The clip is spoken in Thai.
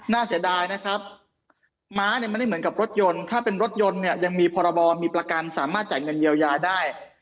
เสียดายนะครับม้าเนี่ยไม่ได้เหมือนกับรถยนต์ถ้าเป็นรถยนต์เนี่ยยังมีพรบมีประกันสามารถจ่ายเงินเยียวยาได้